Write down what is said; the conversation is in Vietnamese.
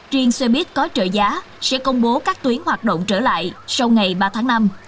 riêng xe buýt có trợ giá sẽ công bố các tuyến hoạt động trở lại sau ngày ba tháng năm